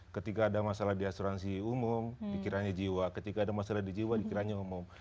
ketika ada masalah di asuransi umum pikirannya jiwa ketika ada masalah di jiwa dikiranya umum